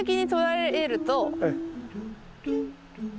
ええ。